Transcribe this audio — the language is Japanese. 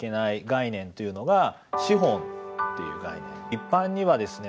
一般にはですね